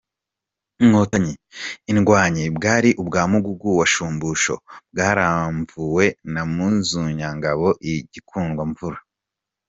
Inkotanyi :”Indwanyi “ bwari ubwa Mugugu wa Shumbusho, bwaramvuwe na Munyuzangabo i Gikundamvura.